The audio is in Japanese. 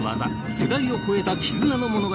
世代を超えた絆の物語です。